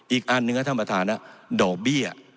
อีกอันเนื้อธรรมธาณะด่อเบี้ย